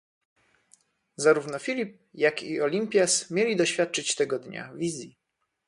Zarówno Filip, jak i Olimpias mieli doświadczyć tego dnia wizji.